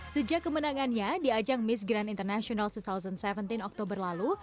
sejak kemenangannya di ajang mis grand international dua ribu tujuh belas oktober lalu